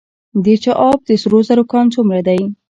د چاه اب د سرو زرو کان څومره دی؟